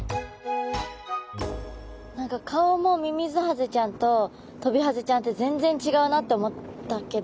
何か顔もミミズハゼちゃんとトビハゼちゃんって全然違うなって思ったけど。